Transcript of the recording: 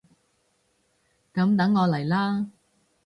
噉等我嚟喇！